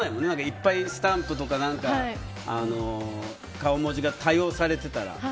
いっぱいスタンプとか顔文字が多用されてたら。